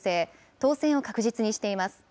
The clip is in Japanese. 当選を確実にしています。